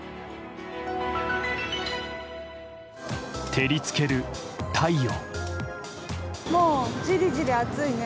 照り付ける太陽。